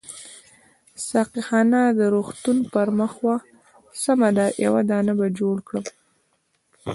ساقي خانه د روغتون پر مخامخ وه، سمه ده یو دانه به جوړ کړم.